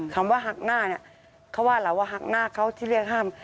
คำว่าหักหน้าเขาว่าหักหน้าเขาที่เรียกห้าม